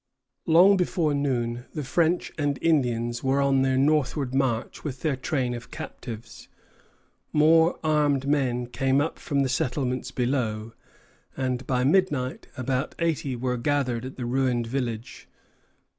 Long before noon the French and Indians were on their northward march with their train of captives. More armed men came up from the settlements below, and by midnight about eighty were gathered at the ruined village.